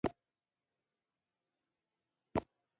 په نورو جنګونو کې قضیه جدي نه وه